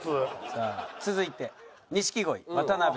さあ続いて錦鯉渡辺。